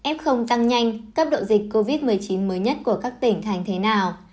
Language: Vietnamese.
f tăng nhanh cấp độ dịch covid một mươi chín mới nhất của các tỉnh thành thế nào